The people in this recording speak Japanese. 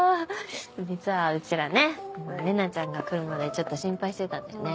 実はうちらね玲奈ちゃんが来るまでちょっと心配してたんだよね。